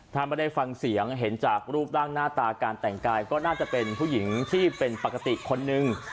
ถ้าไม่ได้ฟังเสียงเห็นจากรูปร่างหน้าตาการแต่งกายก็น่าจะเป็นผู้หญิงที่เป็นปกติคนนึง